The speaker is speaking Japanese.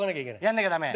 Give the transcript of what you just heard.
やんなきゃ駄目？